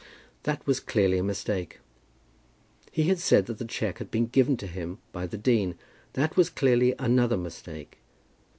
That was clearly a mistake. He had said that the cheque had been given to him by the dean. That was clearly another mistake.